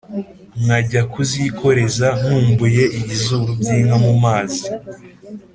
nkajya kuzikoreza nkumbuye ibizuru byinka mumazi